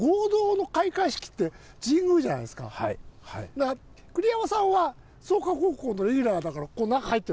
だから栗山さんは創価高校のレギュラーだから中入ってるわけでしょ？